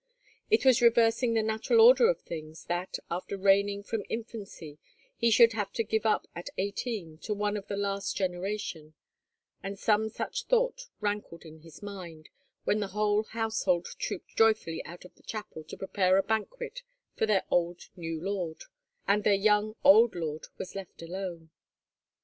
It was reversing the natural order of things that, after reigning from infancy, he should have to give up at eighteen to one of the last generation; and some such thought rankled in his mind when the whole household trooped joyfully out of the chapel to prepare a banquet for their old new lord, and their young old lord was left alone.